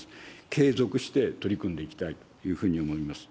継続して取り組んでいきたいというふうに思います。